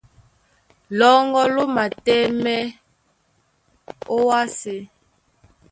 Lɔ́ŋgɔ́ ló matɛ́mɛ́ ówásē.